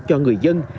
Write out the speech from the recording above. cho người dân